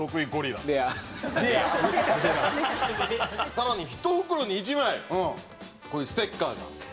さらに１袋に１枚こういうステッカーが。